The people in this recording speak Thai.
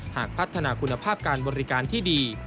หากพัฒนาคุณภาพการบริการที่ดี